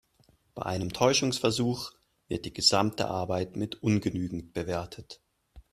Bei einem Täuschungsversuch wird die gesamte Arbeit mit ungenügend bewertet.